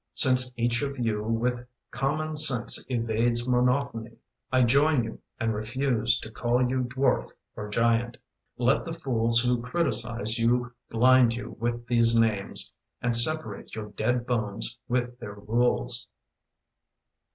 Since each of you with common sense evades Monotony, I join you and refuse To call you dwarf or giant. Let the fools Who criticise you bind you with these names And separate your dead bones with their rules!